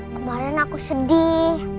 kemarin aku sedih